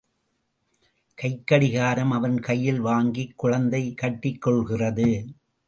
கைக் கடிகாரம் அவன் கையில் வாங்கிக் குழந்தை கட்டிக் கொள்கிறது.